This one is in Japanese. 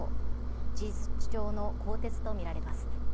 事実上の更迭と見られます。